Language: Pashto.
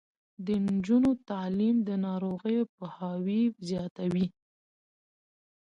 د نجونو تعلیم د ناروغیو پوهاوي زیاتوي.